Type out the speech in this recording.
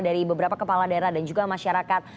dari beberapa kepala daerah dan juga masyarakat